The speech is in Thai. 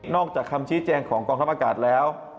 จากคำชี้แจงของกองทัพอากาศแล้ว